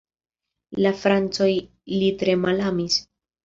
La francojn li tre malamis.